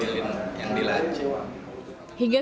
penyeliri mereka sudah membeli personget